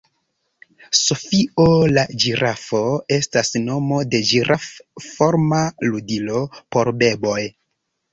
Sofio la ĝirafo estas nomo de ĝiraf-forma ludilo por beboj.